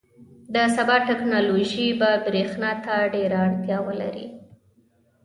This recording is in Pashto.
• د سبا ټیکنالوژي به برېښنا ته ډېره اړتیا ولري.